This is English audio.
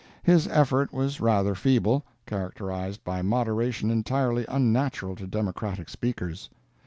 His effort was rather feeble, characterized by moderation entirely unnatural to Democratic speakers.